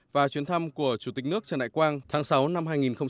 và chuyến thăm của chủ tịch nước trần đại quang tháng sáu năm hai nghìn một mươi sáu